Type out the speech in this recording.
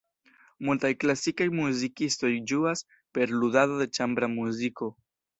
Multaj klasikaj muzikistoj ĝuas per ludado de ĉambra muziko.